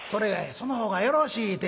その方がよろしいて。